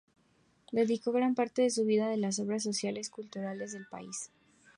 Dedicó gran parte de su vida a las obras sociales y culturales del país.